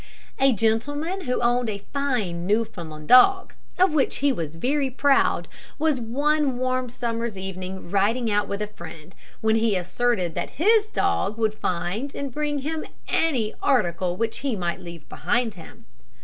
A gentleman who owned a fine Newfoundland dog, of which he was very proud, was one warm summer's evening riding out with a friend, when he asserted that his dog would find and bring to him any article he might leave behind him.